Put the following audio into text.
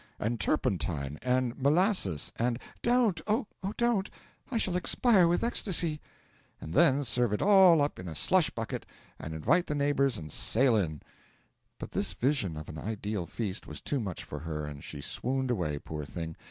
and turpentine! and molasses! and ' 'Don't oh, don't I shall expire with ecstasy! ' 'And then serve it all up in a slush bucket, and invite the neighbours and sail in!' But this vision of an ideal feast was too much for her, and she swooned away, poor thing.